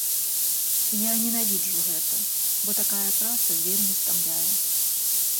Я ненавіджу гэта, бо такая праца вельмі стамляе.